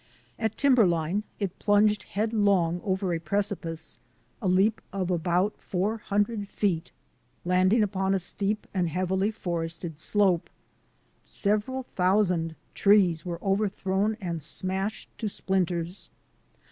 At timberline it plunged headlong over a preci pice, a leap of about four hundred feet, landing upon a steep and heavily forested slope. Several thousand trees were overthrown and smashed to splinters.